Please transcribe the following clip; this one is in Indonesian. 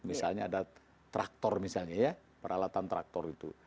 misalnya ada traktor misalnya ya peralatan traktor itu